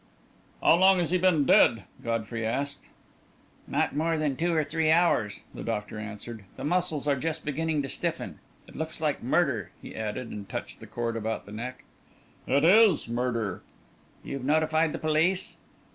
"How long has he been dead?" Godfrey asked. "Not more than two or three hours," the doctor answered. "The muscles are just beginning to stiffen. It looks like murder," he added, and touched the cord about the neck. "It is murder." "You've notified the police?"